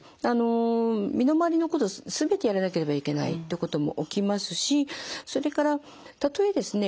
身の回りのことを全てやらなければいけないっていうことも起きますしそれからたとえですね